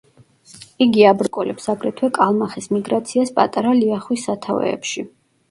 იგი აბრკოლებს აგრეთვე კალმახის მიგრაციას პატარა ლიახვის სათავეებში.